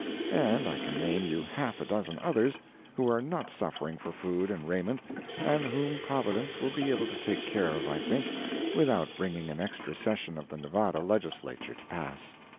And I can name you half a dozen others who are not suffering for food and raiment, and whom Providence will be able to take care of, I think, without bringing an extra session of the Nevada Legislature to pass.